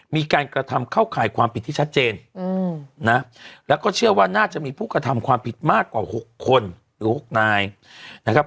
มีการกระทำเข้าข่ายความผิดที่ชัดเจนนะแล้วก็เชื่อว่าน่าจะมีผู้กระทำความผิดมากกว่า๖คนหรือ๖นายนะครับ